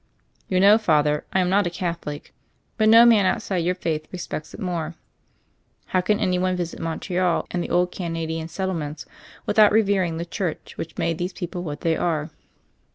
"You know, Father, I am not a Catholic. But no man outside your faith respects it more. How can any one visit Montreal and the old Canadian settlements without revering the Church which made these people what they are